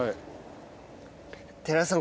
寺田さん